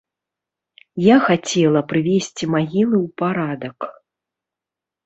Я хацела прывесці магілы ў парадак.